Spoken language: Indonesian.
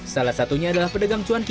salah satunya adalah pedegang cuanki